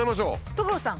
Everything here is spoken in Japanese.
所さん！